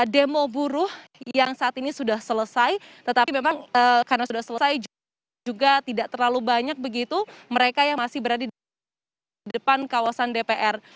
demo buruh yang saat ini sudah selesai tetapi memang karena sudah selesai juga tidak terlalu banyak begitu mereka yang masih berada di depan kawasan dpr